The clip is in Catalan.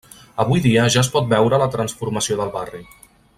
Avui dia ja es pot veure la transformació del barri.